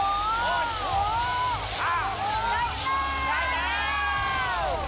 อ้าวได้แล้ว